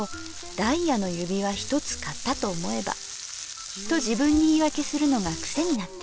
ダイヤの指輪一つ買ったと思えばと自分に言いわけするのが癖になっている。